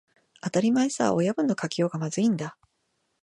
当たり前さ、親分の書きようがまずいんだ